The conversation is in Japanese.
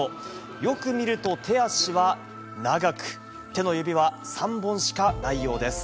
よく見ると手足は長く、手の指は３本しかないようです。